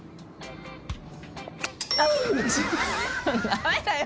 ダメだよ！